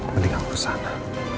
mending aku ke sana